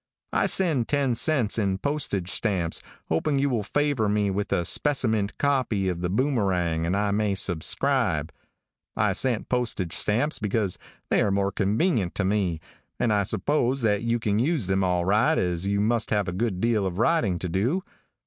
"I send ten cents in postage stamps, hoping you will favor me with a speciment copy of The Boomerang and I may suscribe. I send postage stamps because they are more convenient to me, and I suppose that you can use them all right as you must have a good deal of writing to do.